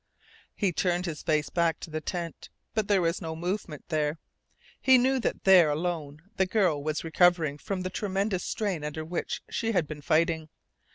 He turned his face back to the tent, but there was no movement there. He knew that there alone the girl was recovering from the tremendous strain under which she had been fighting.